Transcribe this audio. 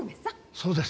そうです。